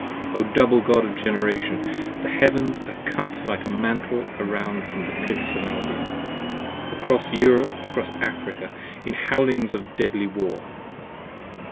O Double God of Generation! The Heavens are cut like a mantle around from the Cliffs of Albion, 20 Across Europe, across Africa, in howlings & deadly War.